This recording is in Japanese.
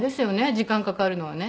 時間かかるのはね。